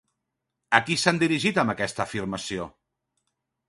A qui s'han dirigit amb aquesta afirmació?